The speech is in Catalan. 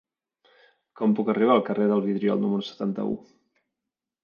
Com puc arribar al carrer del Vidriol número setanta-u?